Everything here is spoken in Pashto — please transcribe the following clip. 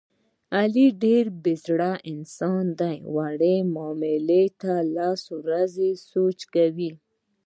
علي ډېر بې زړه انسان دی، وړې معاملې ته لس ورځې سوچونه کوي.